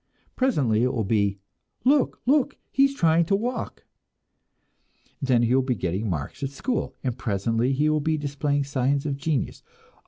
Presently it will be, "Look, look, he is trying to walk!" Then he will be getting marks at school, and presently he will be displaying signs of genius.